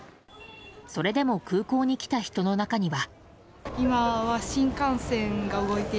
それでも空港に来た人の中には。